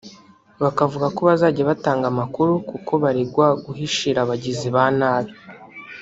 bakavuga ko bazajya batanga amakuru kuko baregwa guhishira abagizi ba nabi